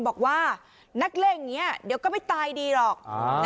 แบบว่านักเล่นอย่าไปตายดีหรอก